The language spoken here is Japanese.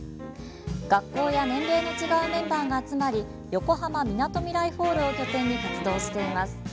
学校や年齢の違うメンバーが集まり横浜みなとみらいホールを拠点に活動しています。